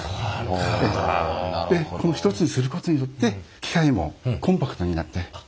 でこの１つにすることによって機械もコンパクトになって。